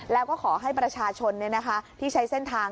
แล้วก็ขอให้ประชาชนที่ใช้เส้นทาง